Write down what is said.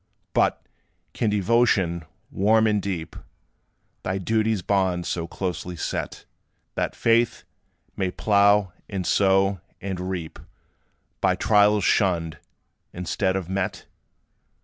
But, can devotion, warm and deep, Thy duty's bounds so closely set, That faith may plough, and sow, and reap By trials shunned, instead of met?